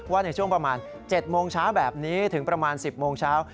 ในช่วงประมาณ๗โมงเช้าแบบนี้ถึงประมาณ๑๐โมงเช้า